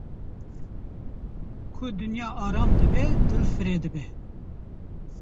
ku dinya aram dibe dil fireh dibe.